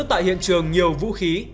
tại hiện trường nhiều vũ khí